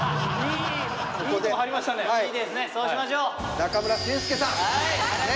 中村俊輔さん！ね。